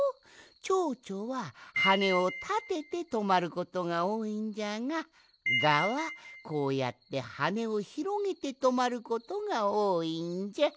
チョウチョははねをたててとまることがおおいんじゃがガはこうやってはねをひろげてとまることがおおいんじゃ。